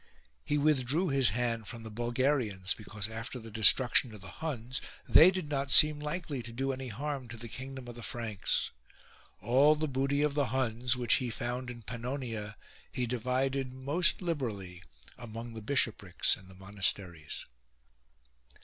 He withdrew his hand from the Bulgarians, because after the destruction of the Huns they did not seem likely to do any harm to the kingdom of the Franks. All the booty of the Huns, which he found in Pannonia, 107 SLEEPY GUARDS he divided most liberally among the bishoprics and the monasteries.